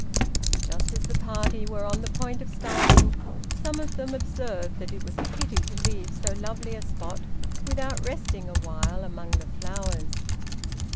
Just as the party were on the point of starting, some of them observed that it was a pity to leave so lovely a spot without resting awhile among the flowers.